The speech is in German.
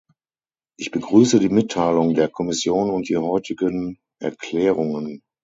Ich begrüße die Mitteilung der Kommission und die heutigen Erklärungen.